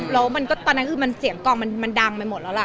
แล้วตอนนั้นก็เสียงกล่องมันดังไปหมดแล้วละ